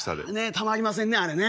たまりませんねあれね。